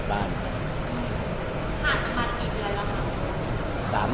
ผ่านประมาณสักกี่ปีแล้วครับ